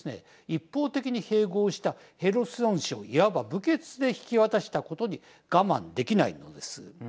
一方的に併合したヘルソン州をいわば無血で引き渡したことに我慢できないのです。